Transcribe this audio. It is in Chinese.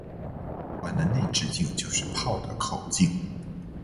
炮管的内直径就是炮的口径。